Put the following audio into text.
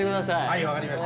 はい分かりました。